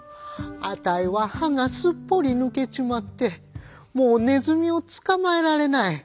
あたいは歯がすっぽり抜けちまってもうねずみを捕まえられない。